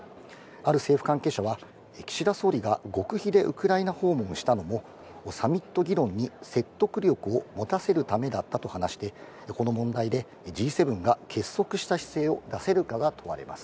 ある政府関係者は岸田総理が極秘でウクライナ訪問をしたのもサミット議論に説得力を持たせるためだったと話し、この問題でＧ７が結束した姿勢を出せるかが問われます。